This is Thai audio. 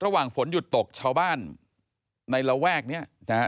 ฝนหยุดตกชาวบ้านในระแวกเนี้ยนะฮะ